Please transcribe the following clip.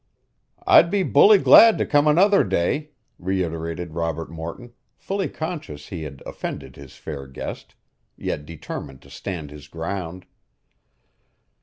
"I'd be bully glad to come another day," reiterated Robert Morton, fully conscious he had offended his fair guest, yet determined to stand his ground.